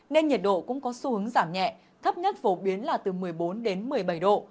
nên nhiệt độ cũng có xu hướng giảm nhẹ thấp nhất phổ biến là từ một mươi bốn đến một mươi bảy độ